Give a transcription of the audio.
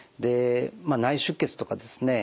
内出血とかですね